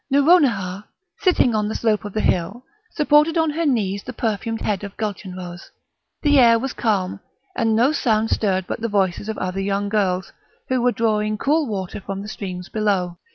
Nouronihar, sitting on the slope of the hill, supported on her knees the perfumed head of Gulchenrouz; the air was calm, and no sound stirred but the voices of other young girls, who were drawing cool water from the streams below.